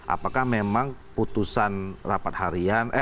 apakah memang putusan rapat harian